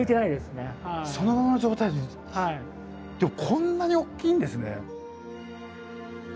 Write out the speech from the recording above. こんなに大きいんですね。